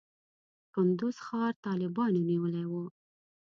کندز ښار طالبانو نیولی و.